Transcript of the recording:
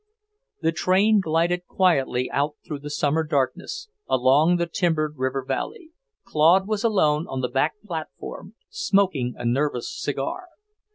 The train glided quietly out through the summer darkness, along the timbered river valley. Claude was alone on the back platform, smoking a nervous cigar.